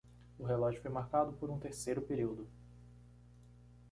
O relógio foi marcado por um terceiro período.